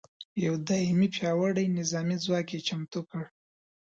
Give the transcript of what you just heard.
یو دایمي پیاوړي نظامي ځواک یې چمتو کړ.